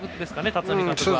立浪監督は。